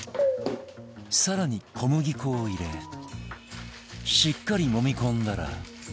更に小麦粉を入れしっかり揉み込んだら